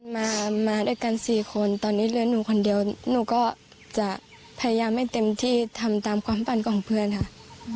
มามาด้วยกันสี่คนตอนนี้เหลือหนูคนเดียวหนูก็จะพยายามให้เต็มที่ทำตามความฝันของเพื่อนค่ะ